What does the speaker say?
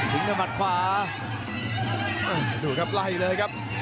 ถึงด้วยมัดขวาดูครับไล่เลยครับ